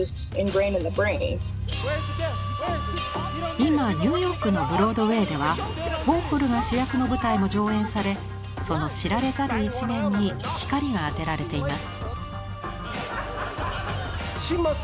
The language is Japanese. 今ニューヨークのブロードウェイではウォーホルが主役の舞台も上演されその知られざる一面に光が当てられています。